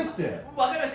分かりました！